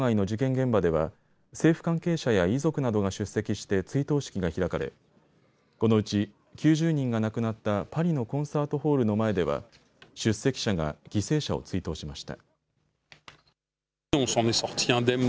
現場では政府関係者や遺族などが出席して追悼式が開かれこのうち９０人が亡くなったパリのコンサートホールの前では出席者が犠牲者を追悼しました。